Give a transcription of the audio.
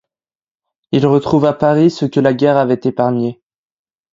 Il retrouve à Paris ceux que la guerre avait épargnés.